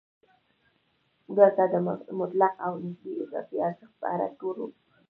دلته د مطلق او نسبي اضافي ارزښت په اړه ګورو